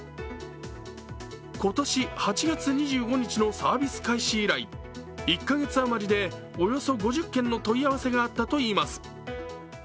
今年８月２５日のサービス開始以来、１か月あまりでおよそ５０件の問い合わせがあったといいます。